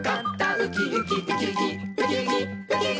「ウキウキウキウキウキウキ」